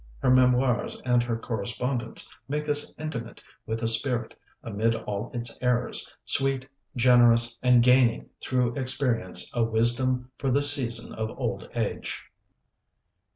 Her memoirs and her correspondence make us intimate with a spirit, amid all its errors, sweet, generous, and gaining through experience a wisdom for the season of old age.